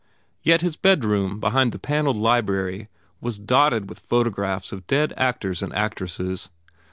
Yet his bedroom behind the panelled library was dotted with photographs of dead actors and actresses.